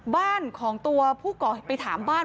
บ้านของตัวผู้ก่อเหตุไปถามบ้าน